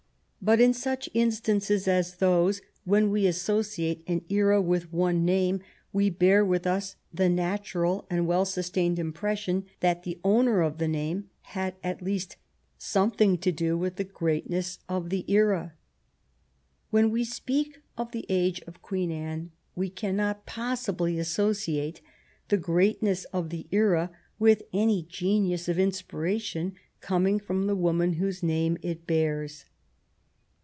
But in such instances as those, when we associate an era with one name we bear with us the natural and well sustained impression that the owner of the name had at least something to do with the greatness of the era. When we speak of the age of Queen Anne we cannot possibly associate the greatness of the era with any genius of inspiration coming from the woman whose name it bears.